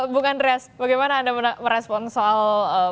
bung andreas bagaimana anda merespon soal